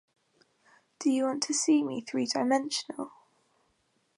Do you want to see me three dimensional?